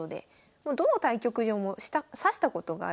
もうどの対局場も指したことがある場所ばっかり。